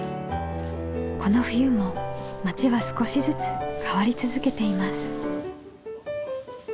この冬も町は少しずつ変わり続けています。